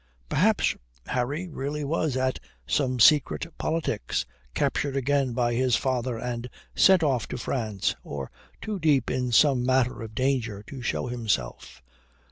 Perhaps Harry really was at some secret politics, captured again by his father and sent off to France, or too deep in some matter of danger to show himself.